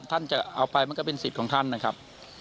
ท่านจะเอาไปมันก็เป็นสิทธิ์ของท่านนะครับ